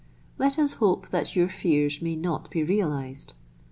Let us hope that your fears may not be realized."